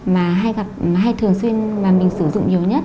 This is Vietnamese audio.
mà hay thường xuyên mà mình sử dụng nhiều nhất